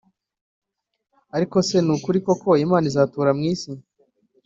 “Ariko se ni ukuri koko, Imana izatura mu isi?